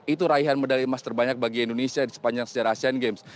itu raihan medali emas terbanyak bagi indonesia di sepanjang sejarah asean games